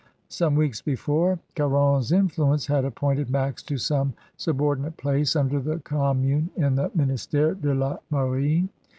Some weeks before, Caron s influence had appointed Max to some subordinate place under the Commune in the Minist^re de 1: Marine.